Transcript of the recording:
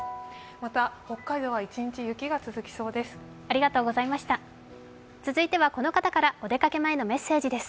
また、北海道は一日、雪が続きそうです。